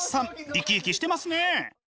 生き生きしてますね！